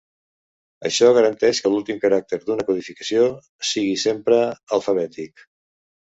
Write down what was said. Això garanteix que l'últim caràcter d'una codificació sigui sempre alfabètic.